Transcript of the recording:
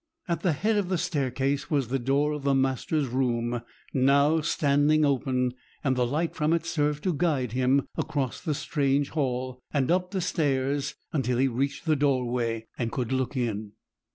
At the head of the staircase was the door of the master's room, now standing open; and the light from it served to guide him across the strange hall, and up the stairs, until he reached the doorway, and could look in.